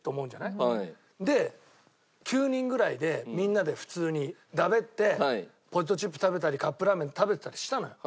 で９人ぐらいでみんなで普通にだべってポテトチップ食べたりカップラーメン食べたりしたのよ。